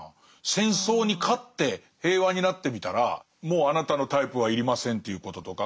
戦争に勝って平和になってみたらもうあなたのタイプは要りませんということとか。